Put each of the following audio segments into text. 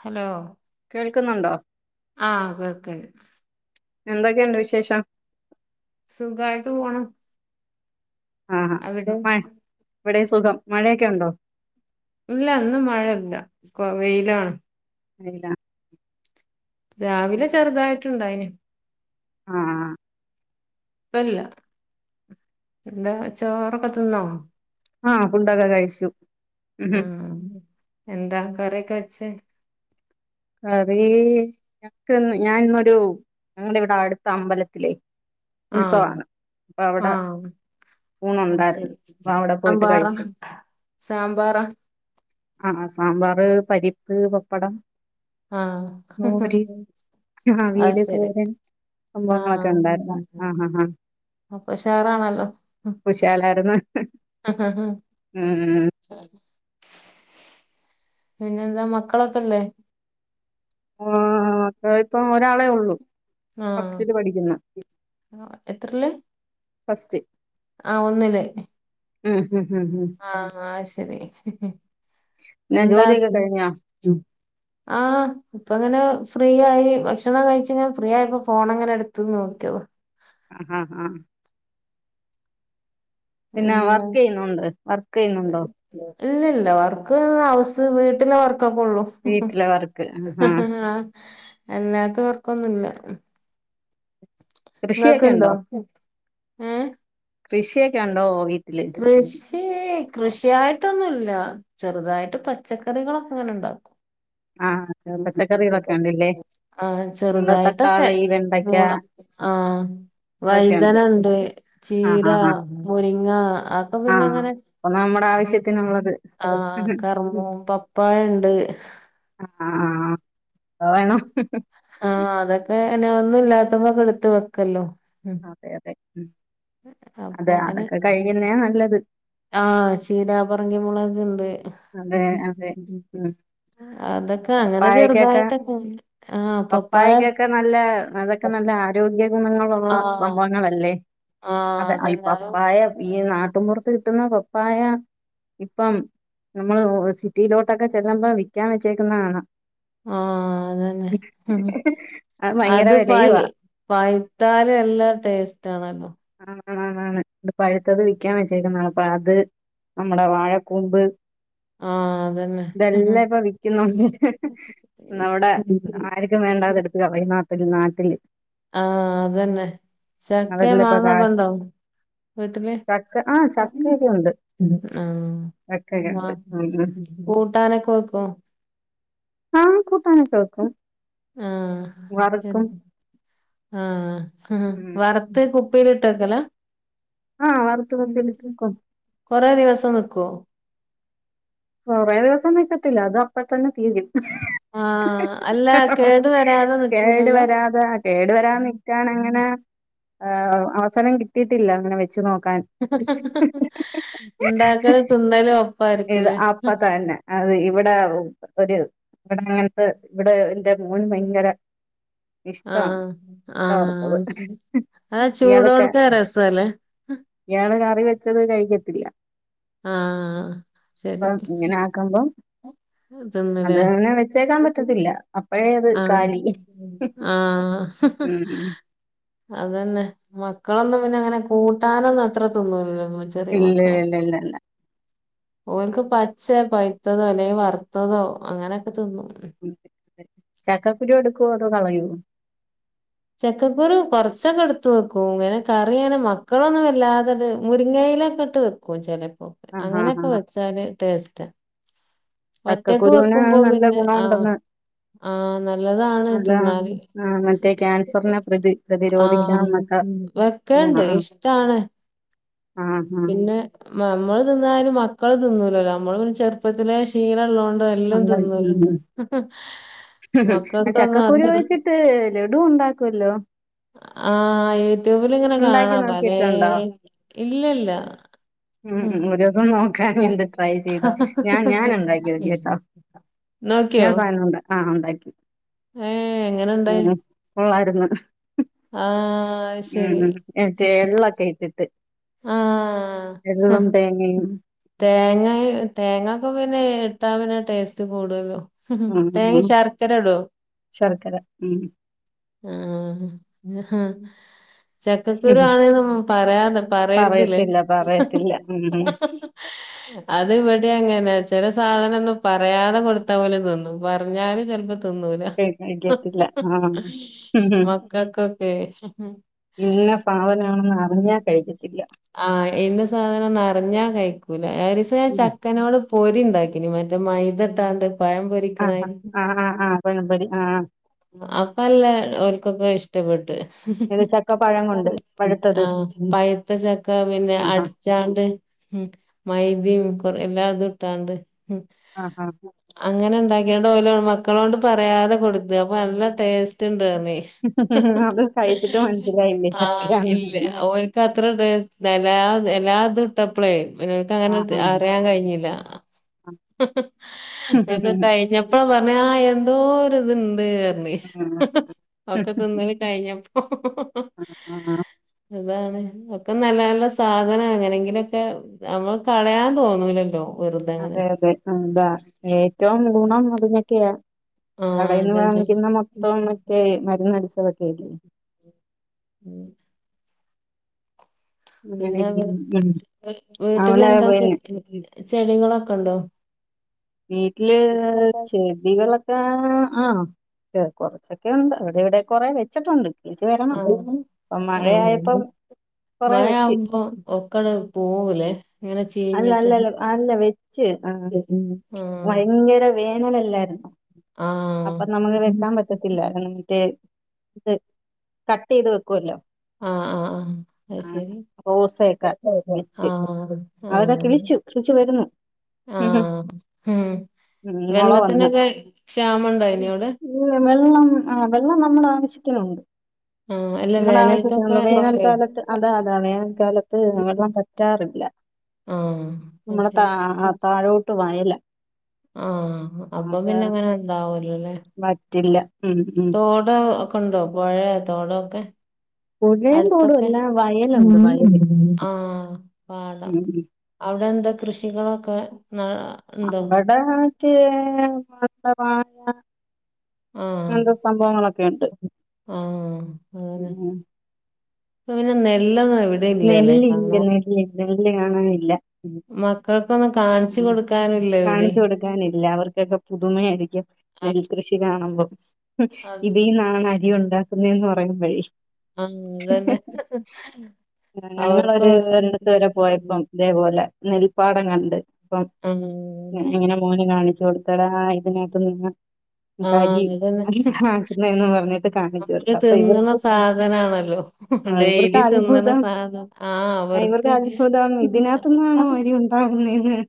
Hello കേൾക്കുന്നുണ്ടോ? ആഹ് കേൾക്കണ്ട്. എന്തൊക്കെയുണ്ട് വിശേഷം? സുഖായിട്ട് പോണു. ആഹ് ആഹ് അവിടെ മഴ ഇവിടെ സുഖം മഴയൊക്കെ ഉണ്ടോ ഇല്ല ഇന്ന് മഴ ഇല്ല ഇപ്പൊ വെയിലാണ്. ഇല്ല രാവിലെ ചെറുതായിട്ടുണ്ടായിന്. ആഹ് അല്ല എന്താ ചോറൊക്കെ തിന്നോ? ആഹ് ഫുഡൊക്കെ കഴിച്ചു. ആഹ് എന്താ കറിയൊക്കെ വെച്ചേ. കറി ഞങ്ങൾക്ക് ഇന്ന് ഞാൻ ഇന്നൊരു ഞങ്ങടെ ഇവിടെ അടുത്ത അമ്പലത്തിലെ. ആഹ് ഉത്സവമാണ് അപ്പം അവിടെ. ആഹ് ഊണുണ്ടായിരുന്നു ശരി അപ്പൊ അവിടെ പോയിട്ട് അമ്പാറം കഴിച്ചു സാമ്പാറാ. ആഹ് സാമ്പാർ പരിപ്പ് പപ്പടം. ആഹ് മോര് അത് അവിയല് ശരി. തോരൻ സംഭവങ്ങളൊക്കെ ആഹ് ഉണ്ടായിരുന്നു ആഹ് ആഹ് അപ്പൊ ഉഷാറാണല്ലോ. കുശാലായിരുന്നു ഉം ശരി പിന്നെന്താ മക്കളൊക്കെല്ലേ? ഇപ്പൊ ഒരാളേ ഉള്ളു ഫസ്റ്റില് പഠിക്കുന്നു. ആഹ് എത്രയില് ഫസ്റ്റ് ആഹ് ഒന്നില് ഉം ഉം ഉം ഉം ആഹ് ആഹ് ശരി പിന്നെ എന്താ ജോലിയൊക്കെ സുനി കഴിഞ്ഞോ ഉം ആഹ് ഇപ്പോ അങ്ങനെ. ഫ്രീ ആയി ഭക്ഷണം കഴിച്ചിയിങ്ങ് ഫ്രീ ആയിപ്പോ ഫോൺ അങ്ങനെ എടുത്ത് നോക്കിയതാ. അ ഹ ആഹ് പിന്നെ എന്താ വർക്ക് ചെയ്യുന്നുണ്ട് വർക്ക് യ്യുന്നുണ്ടോ ഇല്ലല്ല വർക്ക് ഹൗസ് വീട്ടിലെ വർ ക്കെക്കൊള്ളു വീട്ടിലെ വർക്ക് ആഹ് ആഹ് അല്ലാത്ത വർക്കൊന്നുല്ല ഇങ്ങക്ക് കൃഷിയൊക്കെ ണ്ടോ ഉണ്ടോ കൃഷിയൊക്കെ ഉണ്ടോ വീ കൃഷി ഏഹ് കൃഷിയായിട്ടൊന്നുല്ല ചെറുതായിട്ട് പച്ചക്കറികളൊക്കെ ങ്ങനെണ്ടാക്കും ആഹ് പച്ചക്കറികളൊക്കെ ഉണ്ടല്ലേ ആഹ് നമ്മള് ചെറുതായിട്ടൊക്കെ തക്കാളി വെണ്ടയ്ക്ക പൂള ആഹ് അതൊക്കെയുണ്ട് വഴുതനണ്ട് ആഹ് ചീര ആഹ് മുരിങ്ങ അപ്പോ ആഹ് ആഹ് പിന്നെങ്ങനെ അപ്പൊ നമ്മുടെ ആവശ്യത്തിനുള്ളത് ആഹ് കർമൂ പപ്പായണ്ട് ആഹ് ന്തോ വേണം ആഹ് അതൊക്കെ നാ ഒന്നും ഇല്ലാത്തപ്പോ എടുത് വെക്കല്ലോ അതെ അതെ ഉം അപ്പൊ അതെ അങ്ങനെ അതൊക്കെ കഴിക്കുന്നേ നല്ലത് ആ ചീരാ പറങ്കി മുളക് ണ്ട് അതെ അതെ ഉം അതൊക്കെ അങ്ങനെ പപ്പായക്കൊക്കെ ചെറുതായിട്ടൊക്കെ ആഹ് പപ്പായ ല്ല ആരോഗ്യ ഗുണങ്ങളുള്ള ആഹ് സംഭവങ്ങളല്ലേ ആഹ് അത അതന്നെ ആഹ് പപ്പായ വീ ഈ നാട്ടുമ്പുറത്ത് കിട്ടുന്ന പപ്പായ ഇപ്പം നമ്മൾ സിറ്റിയിലോട്ടൊക്കെ ചെല്ലുമ്പോ വിക്കാൻ വെച്ചേക്കുന്നഹ് കാണാം ആഹ് അതെന്നെ ഭയങ്കര അത് വിലയുവാ പയ് പഴുത്താല് എല്ലാ ടേസ്റ്റ് ആണല്ലോ ആന്ന് ആന്ന് ആന്ന് ത് പഴുത്തത് വിൽക്കാൻ വെച്ചേക്കുന്നണ് പ്പഅത് അമ്മുളെവാഴക്കൂമ്പ് ആഹ് അതന്നെ തെല്ലാം ഇപ്പം വിക്കുന്നുണ്ട് നമ്മടെ ആർക്കും വേണ്ടാതെടുത്ത് കളയുന്ന നാട്ടിൽ നാട്ടില് ആഹ് അതന്നെ ചക്കയും അതെല്ലാം ഇപ്പൊ മാങ്ങയും ഒക്കെ കാശ് ഉണ്ടോ വീട്ടില്? ചക്ക ആ ചക്കയൊക്കെ ഉണ്ട് ആഹ്. ചക്കയൊക്കെ മാ ഉണ്ട് ഉം ഉം കൂട്ടാനൊക്കെ വെക്കൂ. ആ കൂട്ടാനൊക്കെ വെക്കും വറുക്കും. ആഹ് ഹഹ ഉം. വറുത്ത് കുപ്പിലിട്ട് വെക്കല? ആ വറുത്ത് വെക്കും കൊറേ ദിവസം നിക്കോ? കൊറേ ദിവസം നിക്കത്തില്ല അത് അപ്പ തന്നെ തീരും. ആഹ് അല്ല കേടു വരാതെ കേടു നിക്കൂലല്ലോ വരാതെ കേടു വരാനിക്കാനങ്ങ ങ്ങനെ അവസരം കിട്ടിയിട്ടില്ല അങ്ങനെ വെ ച്ച് നോക്കാൻ ഹ് ഹ് ഇണ്ടാക്കലും തിന്നലും എഴ പ്പ ഒപ്പായിരിക്കുംല്ലേ തന്നെ അത് ഇവിടെ ഒരു അങ്ങനത്തെ ഇവിടെ എന്റെ മോൻ ഭയങ്കര ഇഷ്ടമാണ് ആഹ് ചക്ക വറുത്തത് ആഹ് ശരി. അത് ഇയാൾക്ക് ചൂടോട്ക്ക രസല്ലേ. ഇയാള് കറി വെച്ചത് കഴിക്കത്തില്ല. ആഹ് പ്പ ശരി ഇങ്ങനെ ആക്കുമ്പോ? തിന്നുലേ അതന്നെ വെച്ചേക്കാൻ പറ്റത്തില്ല അപ്പഴേ അത് ആഹ് കാലി. ആഹ് ഉം ഹും. അതന്നെ മക്കളൊന്നും പിന്നെ അങ്ങനെ കൂട്ടാനൊന്നു അത്ര തിന്നൂലല്ലോ. മ- ചെറിയ ഇല്ലേ മക്കളും ല ല്ല ല്ല. ഓൽക്ക് പച്ച പൈത്തതോ അല്ലെങ്കി വറുത്തതോ അങ്ങനൊക്കെ ചക്കക്കുരു എടുക്കുവോ അതോ കളയോ? ചക്കക്കൂരു കൊറച്ചൊക്കെ എടുത്ത് വെക്കും ഇങ്ങനെ കറിയനെ മക്കളൊന്നും വല്ലാതത് മുരിങ്ങ ഇ യിലൊക്കെ ഇട്ട് വെക്കും ചിലപ്പോക്കേ ആഹ് ആഹ് അങ്ങനൊക്കെ ആഹ് വെച്ചാൽ ടേസ്റ്റ. ഒറ്റക്ക് ചക്കക്കുരുവിന് വെക്കുമ്പോ നല്ല പിന്നെ ആഹ്. ഗുണമുണ്ടെന്ന് ആഹ് നല്ലതാണ് നല്ല തിന്നാൻ ആഹ് മറ്റേ ക്യാൻസറിനെ പ്രതി [unintelligible] ആഹ് പ്രതിരോധിക്കാൻ ഉം എന്നൊക്കെ ഗുണ വെക്കെല്ണ്ട് ആഹ് ഇഷ്ടാണ് ആഹ് ആഹ് പിന്നെ മമ്മള് തിന്നാലും മക്കള് തിന്നൂലല്ലോ അമ്മള് ചെറുപ്പത്തിലെ ശീല ള്ളോണ്ട് എല്ലും അങ്ങനെ തിന്നല്ലോ ഉം ആഹ് ചക്കക്കുരു വെച്ചിട്ട് ലഡുവുണ്ടാക്കൊല്ലോ ആഹ് യൂട്യൂബില്ങ്ങനെ ഉണ്ടാക്കി കാണാം പലേ നോക്കിയിട്ടുണ്ടോ ഇല്ലല്ലാ ഉം ഉം ഒരോസം നോക്കാന് വേണ്ടി ട്രൈ ചെയ്ത് ഞാ ഞാന് ഇണ്ടാക്യോക്കി കെട്ടോ നോക്കിയോ ഞാൻ പാല്നോണ്ട് ആഹ് ഒണ്ടാക്കി ഏഹ് എങ്ങനെണ്ടായി ഉം കൊള്ളാ ര്ന്ന് ആഹ് ഉം ശരി മറ്റേ എള്ളൊക്കേയിട്ടിട്ട് ആഹ് തേങ്ങയും തേങ്ങായു തേങ്ങൊക്കെ പിന്നെ ഇ ട്ടാ പിന്നെ ടേസ്റ്റ് കൂടൊല്ലോ തേങ്ങിം ഉം ശർക്കര ഇടോ ശർക്കര ഉം ശർക്കര. ആഹ് ഉം. ചക്കക്കുരു ആണ്ന്നും പറയാതെ റയരതില്ലെ പറയത്തില്ല പറയത്തില്ല. ഉം. അത് ഇവടിം അങ്ങനെ ച [unintelligible] സാധനൊന്നും പറയാതെ കൊട്ത്താ ഓല് തിന്നും പറഞ്ഞാല് ചെല്പ്പോ തിന്നൂല കഴിക്കത്തില്ല. ആഹ്. ഉം. മക്കക്കൊക്കേ ഇന്ന സാധനാണെന്ന് അറിഞ്ഞാ കഴിക്കത്തില്ല. ആഹ് ഇന്ന സാധനാന്നർഞ്ഞാ കഴിക്കൂല ഒരീസം ഞാൻ ഉം. ചക്കനോട് പൊരിണ്ടാക്കിനി മറ്റെ മൈദട്ടാണ്ട് ആഹ് ഹാ ആഹ് ആഹ് ആഹ് പഴംപൊരി ആഹ് അപ്പല്ലെ ഓല്കൊക്കേ ഇഷ്ടപ്പെട്ട് ഇത് ചക്കപ്പഴം കൊണ്ട് [unintelligible] പഴുത്തത്. ആഹ് പയിത്ത ചക്ക പിന്നെ ആഹാ അടിച്ചാണ്ട് ഉം മൈദിം കൊറേ വേതുട്ടാണ്ട് ഉം ആഹാ. അ ങ്ങനെ ഇണ്ടാക്കിയാണ്ട് ഓലോ മക്കളോണ്ട് പറയാതെ കൊട്ത്ത് അപ്പൊ നല്ല ടേസ് റ്റ് ണ്ടർഞ് അത് കഴിച്ചിട്ട് മനസ്സിലായില്ലേ ആഹ് ചക്കയാന്ന്. ഇല്ല ഓൽക്ക് അത്ര ടെസ് ലാ എലാതുട്ടപ്പളെ. [unintelligible] അങ്ങനെത് ആഹാ. അറിയാൻ കഴിഞ്ഞില്ല അക്കെ കഴിഞ്ഞപ്പോഴാ പറഞ്ഞാ എന്തോ ഇത്ണ്ട് ണ്ട് അർഞ് ആഹ്. ഒക്കെ തിന്നല് കഴിഞ്ഞപ്പോ താണ് ഒക്കെ നല്ല നല്ല സാധനം അങ്ങനെങ്കിലൊക്കെ നമ്മൾ കളയാൻ തോന്നൂലല്ലോ വെറുതെങ്ങനെ അതെ അതെ അതാ ഏറ്റവും ഗുണം അതിനൊക്കെയാ ആഹ് കടയിൽന്ന് അതന്നെ വാങ്ങിക്കുന്ന മൊത്തം ഒക്കെ മരന്ന്ടിച്ചതൊക്കെല്ലേ ഉം അങ്ങനെ ഇരിക്കുന്നു. ഉം. പിന്നെന്ത്‌ വീട്ടില അവിടെ എന്താ പിന്നെ ശെ ചെടികളൊക്കെണ്ടോ വീട്ടില് ചെടികളൊക്കെ ആഹ് ആഹ് കൊർച്ചൊക്കെ ഉണ്ട് അവിടെ ഇവിടെ കൊറേ വെച്ചിട്ടുണ്ട് തിരിച് വരണം ആഹ് പ്പോം മഴയായപ്പം ആഹ് കൊറെ മഴ വെച്ച് ആഉമ്പോ ഒക്കട് പോകൂലേ അങ്ങനെ ചീഞ്ഞിട്ട് ഹ് ആഹ് ആഹ് ഭയങ്കര വേനലല്ലായിരു ആഹ് അപ്പം നമ്മള് വെക്കാൻ പറ്റത്തില്ല എന്നട്ടേ ത് കട്ട് യ്ത് വെക്കുല്ലോ അഹ് അഹ് അഹ് അയ് ശരി റോസയൊക്കെ ആഹ് വെച്ച് ആഹ് അവതാ കിളിച്ചു കിളിച്ചു വരുന്നു ഹ് ഹ് ആഹ് ഉം ഉം മുള വന്ന് വെള്ളത്തിനൊക്കെ ക്ഷാമം ഉണ്ടായിനോ അവിടെ വെള്ളം ആഹ് വെള്ളം നമ്മള് ആവശ്യത്തിനുണ്ട് ആഹ് അല്ല വേനൽക്കൊക്കെ [unintelligible] കൊറയോ വേനാൽക്കാലത്ത് അതാ അതാ വേനാൽക്കാലത്ത് വെള്ളം പറ്റാറു ല്ല ആഹ് അത് നമ്മള ത ശരി താഴോട്ട് വയല ആഹ് അപ്പ പിന്നെ അങ്ങനെ ഉണ്ടാവുല്ലല്ലേ. വറ്റില്ല ഉം ഉം തോട് ഒക്കെയുണ്ടോ പൊഴയോ തോടൊക്കെ. പുഴയും തോടും അടുത്തൊക്കെ എല്ലാം വയലുണ്ട് മീൻ വയല് ഉണ്ടെവിടെ ആഹ് പാടം. ഉം ഉം അവിടെ എന്താ കൃഷികളൊക്കെ നെല്ല് ഉണ്ടോ? അവിടെ മറ്റേ [unintelligible] ആഹ് അങ്ങനത്തെ സംഭവങ്ങളൊക്കെ ഉണ്ട്. ആഹ് അതെന്നെ ഉം ഇപ്പൊ പിന്നെ നെല്ല് ഒന്നും. നെല്ല് ഇല്ല നെല്ല് ഇല്ല നെല്ല് കാണാനില്ല. മക്കൾക്കൊന്നും കാണിച്ചു ഇല്ല ഉം കൊടുക്കാനില്ല എവിടേം കാണിച്ചു കൊടുക്കാനില്ല അവർക്കൊക്കെ പുതുമായി രിക്കും ആഹ് നെല്ല് കൃഷി കാണുമ്പോ ഉം അതന്നെ ഇതിനാണോ അരി ഉണ്ടാക്കുന്നയെന്ന് പറയുമ്പോള്. ആഹ് അതുതന്നെ. ഞങ്ങളൊരു ഒരിടത്ത് വരെ പോയിപ്പം ഇതേപോലെ നെൽപ്പാടം കണ്ട്. അപ്പം ആഹ് അതന്നെ ഇങ്ങനെ മോനെ കാണിച്ചു കൊടുത്തെ ഇതിനകത്ത് നിന്ന്. അരി ആഹ് അതന്നെ ആക്കുന്നെന്ന് പറഞ്ഞിട്ട് കാണിച്ചു കൊടുത്തെ അപ്പൊ ഇവർക്ക്. ലോ ആ, ഇവർക്ക് ഡെയിലി തിന്നേ. തിന്നേണ് അത്ഭുതം സാധനം ആഹ് ആ, ഇവർക്ക് അവർക്ക്. അത്ഭുതം ഇതിനകത്തുനിന്നാണോ അരി ഉണ്ടാകുന്നതെന്ന്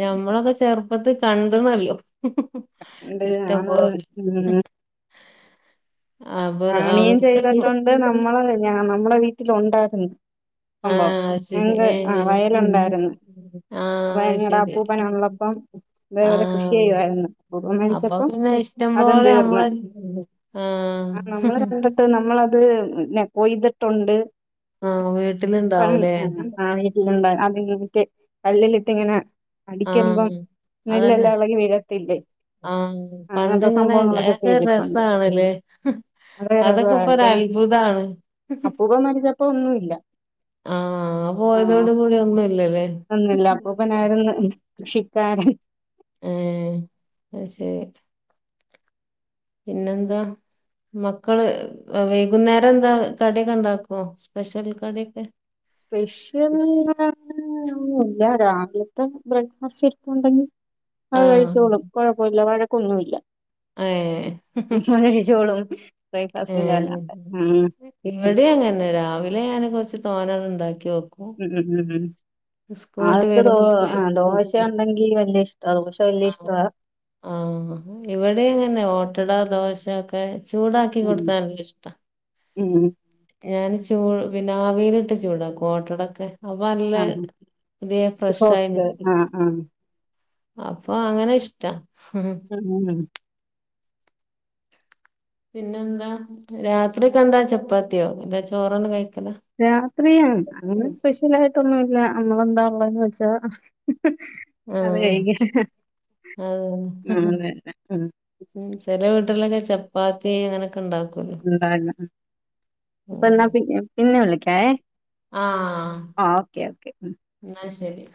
ഞമ്മളൊക്കെ ചെറുപ്പത്തിൽ കണ്ടുന്നലോ. ഉണ്ട് ഇഷ്ടം പോലെ ആണോന്ന് അവർ പണിയും അവർക്ക് ചെയ്തിട്ടുണ്ട് നമ്മള് നമ്മുടെ വീട്ടില് ഉണ്ടാക്കുന്നു. സംഭവം ആഹ് അത് ശരി ഞങ്ങക്ക് ഏഹ് ആഹ് വയലുണ്ടായിരുന്നു, അപ്പൊ ആഹ് അത് ഞങ്ങടെ ശരി അപ്പൂപ്പൻ ഉള്ളപ്പം. അതേപോലെ കൃഷി ആഹ് ചെയ്യുമായിരുന്നു, അപ്പൂപ്പൻ അപ്പൊ മരിച്ചപ്പോ പിന്നെ ഇഷ്ടം അതും പോലെ തീർന്നു. നമ്മള് ആഹ് നമ്മള് കണ്ടിട്ട് നമ്മള് അത് കൊയ്തിട്ടുണ്ട്. ആഹ് പ വീട്ടിലുണ്ടാവൂലേ ആഹ് ആഹ് വീട്ടിലുണ്ടായിരുന്നു. അതിൽ ഉരുട്ടി കല്ലിലിട്ട് ഇങ്ങനെ അടിക്കുമ്പോ ആഹ് നെല്ല് അതന്നെ എല്ലാം ഇളകി വീഴും. ത്തില്ലേ ആഹ് അങ്ങനത്തെ പണ്ടിങ്ങനെ സംഭവങ്ങളൊക്കെ ഒക്കെ ചെയ്തിട്ടുണ്ട്. രസാണല്ലേ അവരെ അതൊക്കെ ഇപ്പൊ ഒരു സഹായിക്കാൻ അത്ഭുതാണ് അപ്പൂപ്പൻ മരിച്ചപ്പോ ഒന്നുല്ല. ആഹ് ആഹ് പോയതോട് കൂടി ഒന്നുംല്ലല്ലേ ഒന്നുല്ല അപ്പൂപ്പനായിരുന്നു കൃഷിക്കാരൻ. ഏഹ് അത് ശരി പിന്നെന്താ? മക്കള് വ വൈകുന്നേരം എന്താ കടിക്കെ ഇണ്ടാക്കുവോ സ്പെഷ്യൽ കടിക്കെ? ഇല്ല രാവിലത്തെ ബ്രേക്ക്ഫാസ്റ്റ് ഇരുപ്പുണ്ടങ്കി അത് ആഹ് കഴിച്ചോളും, കൊഴപ്പല്ല, വഴക്കൊന്നുല്ല. ഏഹ് കഴിച്ചോളും ബ്രേക്ക്ഫാസ്റ്റിന്റെ [unintelligible] ആഹ് ഇവിടെ അങ്ങനെ രാവിലെ ഞാൻ കൊറച്ച് തോനെ മ് മ് മ് മ് സ്കൂൾ വിട്ട് ആൾക്ക് ദോ വരുമ്പോക്ക് ആ ദോശ ഉണ്ടെങ്കിൽ വല്യ ഇഷ്ട ദോശ വല്യ ആഹ് ഇഷ്ടവാ. ആഹ് ഇവടെ അങ്ങനെ ഒ ട്ടട ദോശ ഒക്കെ ചൂടാക്കി കൊടുത്ത [unintelligible] ഇഷ്ട. മ് ഞാൻ ചൂ പിന്നെ ആവിയിലിട്ട് ചൂടാക്കും ഓട്ടടക്കെ. അപ്പ നല്ല ആഹ് പുതിയ ഫ്രഷ് ആയി സോഫ്റ്റ് [unintelligible] ആഹ് ആഹ് അപ്പ അങ്ങനെ ഇഷ്ടാ. ഉം. മ് മ് മ് പിന്നെന്താ? രാത്രിക്കെ എന്താ ചപ്പാത്തിയോ? പിന്നെ ചോറാണ് ക രാത്രിയാണ് അങ്ങനെ സ്പെഷ്യൽ ആയിട്ടൊന്നുല്ല നമ്മളെന്താ ഒള്ളെന്ന് വെച്ചാ അത് കഴിക്ക. ഓഹ് ചെ ചെല വീട്ടിലൊക്കെ ചപ്പാത്തി അങ്ങനെ ഉണ്ടായിരുന്നു, മ് അപ്പ എന്നാ പിന് പിന്നെ വിളിക്കാവെ. ആഹ് ഉം എന്നാ ശെരി.